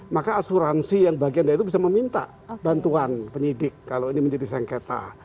maka asuransi yang bagian dari itu bisa meminta bantuan penyidik kalau ini menjadi sengketa